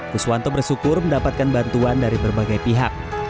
kuswanto bersyukur mendapatkan bantuan dari berbagai pihak